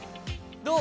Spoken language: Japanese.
どう？